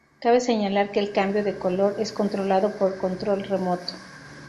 Cabe señalar que el cambio de color es controlado por control remoto.